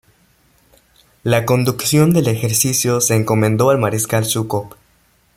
La conducción del ejercicio se encomendó al Mariscal Zhúkov.